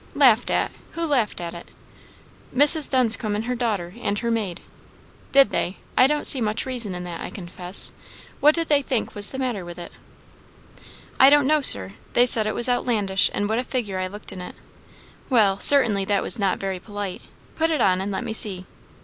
"Laughed at! who laughed at it?" "Mrs. Dunscombe, and her daughter, and her maid." "Did they! I don't see much reason in that, I confess. What did they think was the matter with it?" "I don't know, Sir; they said it was outlandish, and what a figure I looked in it!" "Well, certainly that was not very polite. Put it on, and let me see."